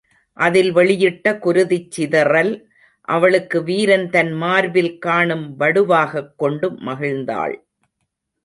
அதில் வெளியிட்ட குருதிச் சிதறல் அவளுக்கு வீரன் தன் மார்பில் காணும் வடுவாகக் கொண்டு மகிழ்ந்தாள்.